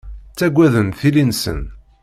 Ttaggaden tili-nsen.